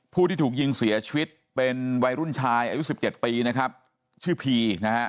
ผู้ที่ถูกยิงเสียชีวิตเป็นวัยรุ่นชายอายุ๑๗ปีชื่อพี